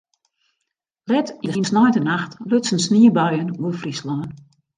Let yn de sneintenacht lutsen sniebuien oer Fryslân.